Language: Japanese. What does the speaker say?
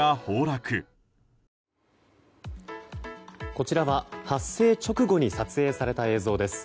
こちらは発生直後に撮影された映像です。